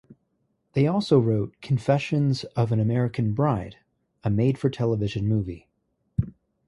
They also wrote "Confessions of an American Bride", a made for television movie.